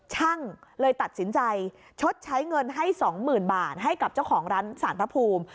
ช่างเลยตัดสินใจชดใช้เงินให้๒๐๐๐บาทให้กับเจ้าของร้านสารพระภูมิ